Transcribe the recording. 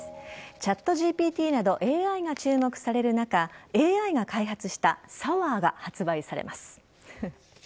ＣｈａｔＧＰＴなどＡＩが注目される中ＡＩが開発したサワーが発売されます。